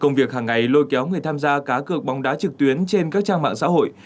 công việc hàng ngày lôi kéo người tham gia cá cược bóng đá trực tuyến trên các trang mạng xã hội